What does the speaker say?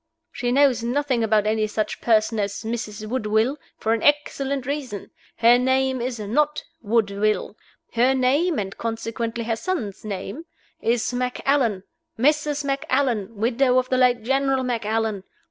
She knows nothing about any such person as Mrs. Woodville, for an excellent reason. Her name is not Woodville. Her name (and consequently her son's name) is Macallan Mrs. Macallan, widow of the late General Macallan.